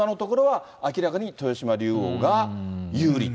ただ、今のところは明らかに豊島竜王が有利と。